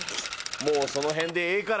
もうそのへんでええから。